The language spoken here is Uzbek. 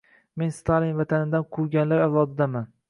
Men Stalin vatanidan quvganlar avlodiman.